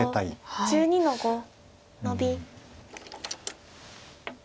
白１２の五ノビ。